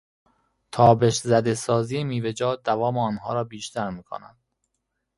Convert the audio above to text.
تابش زده سازی میوهجات دوام آنها را بیشتر میکند.